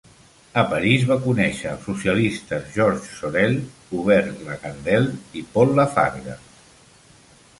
A París va conèixer els socialistes Georges Sorel, Hubert Lagardelle i Paul Lafargue.